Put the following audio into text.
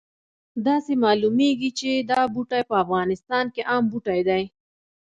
داسې معلومیږي چې دا بوټی په افغانستان کې عام بوټی دی